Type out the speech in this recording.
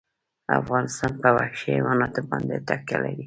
افغانستان په وحشي حیوانات باندې تکیه لري.